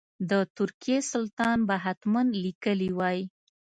د ترکیې سلطان به حتما لیکلي وای.